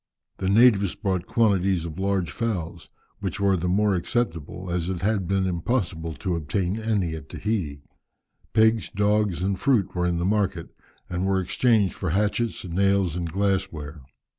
The natives brought quantities of large fowls, which were the more acceptable as it had been impossible to obtain any at Tahiti. Pigs, dogs, and fruit were in the market, and were exchanged for hatchets, nails, and glass ware.